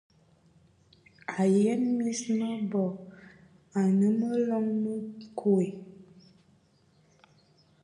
A yən mis mə bod anə məloŋ mə nkoe.